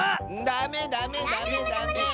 ダメダメダメダメ！